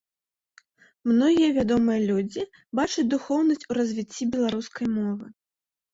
Многія вядомыя людзі бачаць духоўнасць у развіцці беларускай мовы.